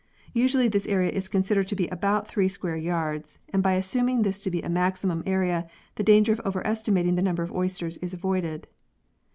Usually this area is considered to be about three square yards, and by assuming this to be a maximum area the danger of overestimating the number of oysters is avoided.